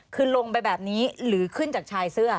คือลงไปแบบนี้หรือขึ้นจากชายเสื้อ